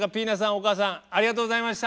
お母さんありがとうございました！